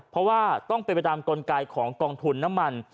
เพราะว่าต้องเป็นไปตามกลไกของกองทุนน้ำมัน